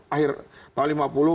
akhir tahun lima puluh